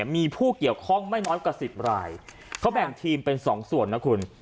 มีผู้เกี่ยวข้องไม่น้อยกว่า๑๐รายเขาแบ่งทีมเป็น๒ส่วนนะคุณ